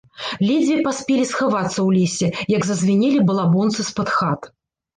Ледзьве паспелі схавацца ў лесе, як зазвінелі балабонцы з-пад хат.